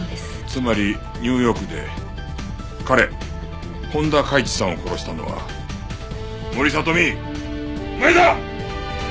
つまりニューヨークで彼本多嘉壱さんを殺したのは森聡美お前だ！